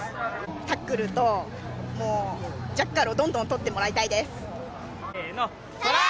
タックルとジャッカルをどんどん取ってもらいたいです。